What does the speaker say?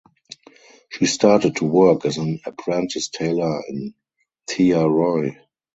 She started to work as an apprentice tailor in Thiaroye.